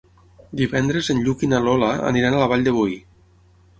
Divendres en Lluc i na Lola aniran a la Vall de Boí.